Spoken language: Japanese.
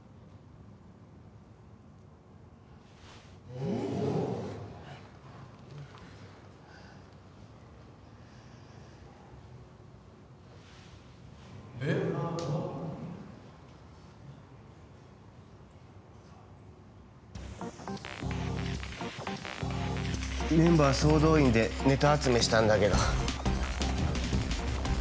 ・おおっ・えっ！？メンバー総動員でネタ集めしたんだけど